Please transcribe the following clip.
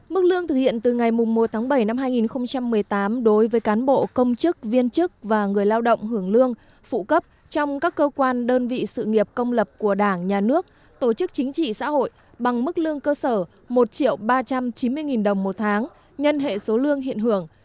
mức lương thực hiện từ ngày một tháng bảy năm hai nghìn một mươi tám đối với cán bộ công chức viên chức và người lao động hưởng lương phụ cấp trong các cơ quan đơn vị sự nghiệp công lập của đảng nhà nước tổ chức chính trị xã hội bằng mức lương cơ sở một ba trăm chín mươi đồng một tháng nhân hệ số lương hiện hưởng